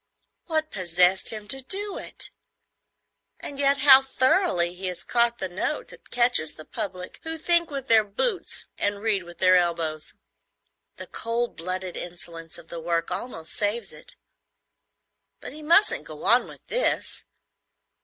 What possessed him to do it? And yet how thoroughly he has caught the note that catches a public who think with their boots and read with their elbows! The cold blooded insolence of the work almost saves it; but he mustn't go on with this.